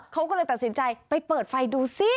เขาก็เลยตัดสินใจไปเปิดไฟดูซิ